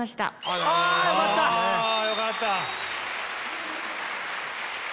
あよかった！